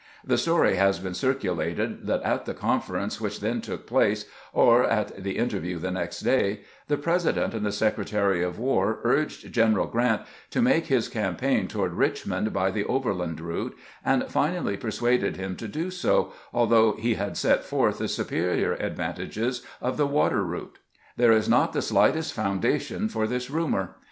The story has been circulated that at the conference which then took place, or at the interview the next day, the President and the Secretary of War urged General Grant to make his campaign toward Richmond by the overland route, and finally persuaded him to do so, al though he had set forth the superior advantages of the water route. There is not the slightest foundation for this rumor.